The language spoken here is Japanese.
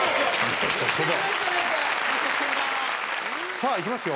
さあいきますよ。